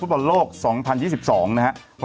ฟุตบันโลก๒๐๒๒นะครับ